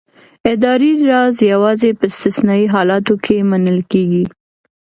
اداري راز یوازې په استثنايي حالاتو کې منل کېږي.